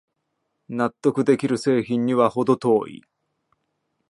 納得できる製品にはほど遠い